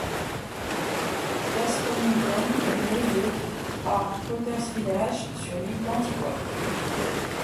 Gaston Browne est né le à Potters village sur l'île d'Antigua.